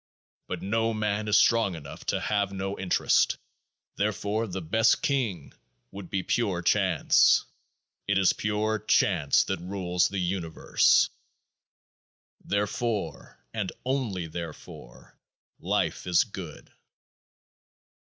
But no man is strong enough to have no interest. Therefore the best king would be Pure Chance. It is Pure Chance that rules the Universe ; therefore, and only therefore, life is good.